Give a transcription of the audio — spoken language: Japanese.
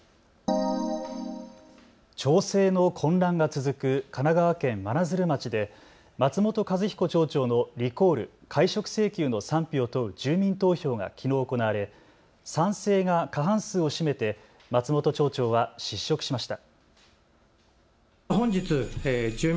町政の混乱が続く神奈川県真鶴町で松本一彦町長のリコール・解職請求の賛否を問う住民投票がきのう行われ賛成が過半数を占めて松本町長は失職しました。